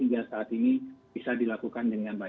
hingga saat ini bisa dilakukan